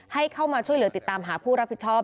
ให้เข้ามาช่วยเหลือติดตามหาผู้รับผิดชอบ